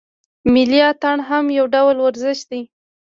ملي اتڼ هم یو ډول ورزش دی.